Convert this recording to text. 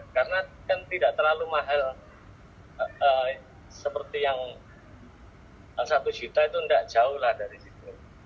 karena kan tidak terlalu mahal seperti yang satu juta itu tidak jauh dari situ